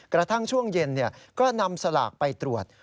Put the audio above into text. กระทั่งช่วงเย็นก็นำสลากไปตรวจ